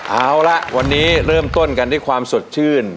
เอาละวันนี้เริ่มต้นกันด้วยความสดชื่น